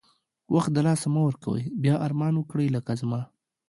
وخت د لاسه مه ورکوی بیا ارمان وکړی لکه زما